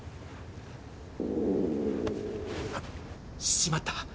しまった！